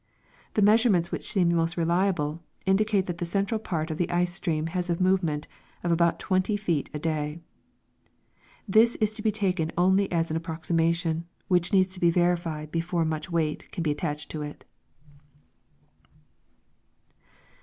Themeasurenumts which sccuuhI mi^st reliahle indicate that the central part of the ice stream has a nun enuMit of about twenty feet a day. This is to be taken only as an ap proximatiiui, which needs to be verified before nnich weight can be attaclunl io it.